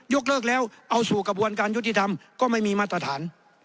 กเลิกแล้วเอาสู่กระบวนการยุติธรรมก็ไม่มีมาตรฐาน